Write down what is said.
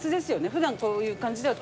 普段こういう感じでは。